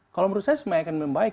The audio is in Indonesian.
kalau menurut saya semakin membaik